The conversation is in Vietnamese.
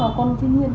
nó là con thiên nguyên